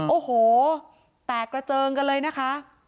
โอ้โหแตกกระเจิงกันเลยนะคะ